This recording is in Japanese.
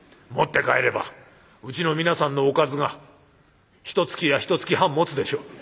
持って帰ればうちの皆さんのおかずがひとつきやひとつき半もつでしょ」。